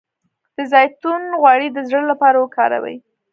د زیتون غوړي د زړه لپاره وکاروئ